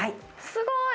すごい！